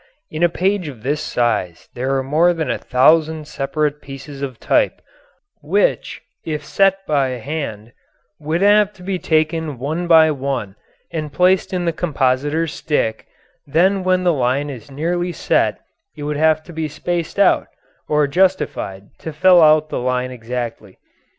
In a page of this size there are more than a thousand separate pieces of type, which, if set by hand, would have to be taken one by one and placed in the compositor's "stick"; then when the line is nearly set it would have to be spaced out, or "justified," to fill out the line exactly.